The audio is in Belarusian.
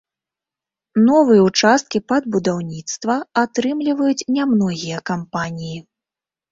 Новыя ўчасткі пад будаўніцтва атрымліваюць нямногія кампаніі.